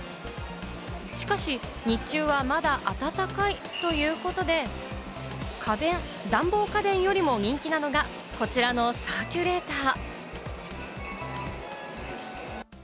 しかし、日中はまだ暖かいということで、暖房家電よりも人気なのが、こちらのサーキュレーター。